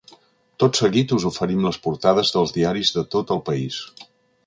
Tot seguit us oferim les portades dels diaris de tot el país.